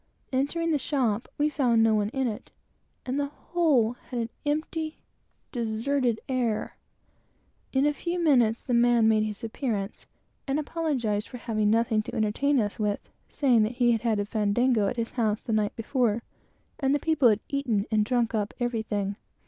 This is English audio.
Entering the shop, we found no one in it, and the whole had an empty, deserted appearance. In a few minutes the man made his appearance, and apologized for having nothing to entertain us with, saying that he had had a fandango at his house the night before, and the people had eaten and drunk up everything.